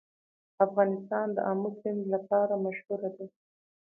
افغانستان د آمو سیند لپاره مشهور دی.